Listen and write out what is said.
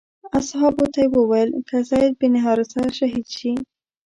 اصحابو ته یې وویل که زید بن حارثه شهید شي.